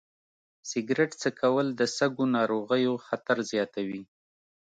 سګرټ څکول د سږو ناروغیو خطر زیاتوي.